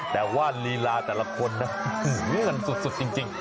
แต่ว่าลีลาแต่ละคนนะเงินสุดจริง